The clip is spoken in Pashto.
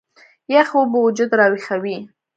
يخې اوبۀ وجود راوېخوي